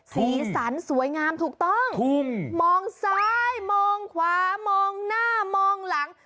สีสันสวยงามถูกต้องทุ่งมองซ้ายมองขวามองหน้ามองหลัง